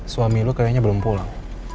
suami lu kayaknya belum pulang